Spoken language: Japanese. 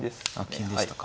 金でしたか。